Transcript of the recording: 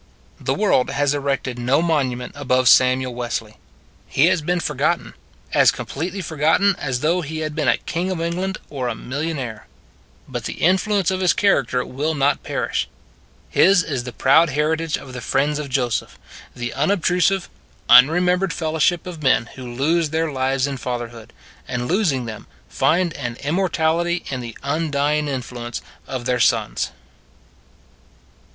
The world has erected no monument above Samuel Wesley: he has been for gotten as completely forgotten as though he had been a king of England or a millionaire. But the influence of his character will not perish. His is the proud heritage of the friends of Joseph the unobtrusive, unremembered fellowship of men who lose their lives in fatherhood and losing them, find an immortality in the undying influence of their sons.